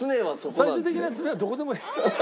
最終的な詰めはどこでもいい。